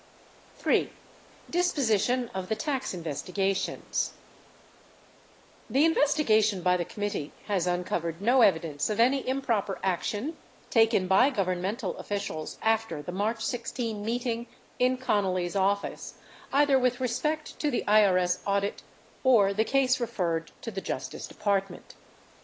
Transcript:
3. DISPOSITION OF THE TAX INVESTIGATIONS The investigation by the committee has uncovered no evidence of any improper action taken by governmental officials after the March 16 meeting in Connally's office either with respect to the IRS audit or the case referred to the Justice Department.